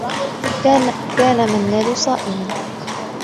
كان منّاد صائما.